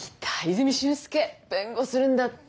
泉駿介弁護するんだって？